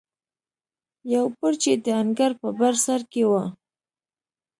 یو برج یې د انګړ په بر سر کې و.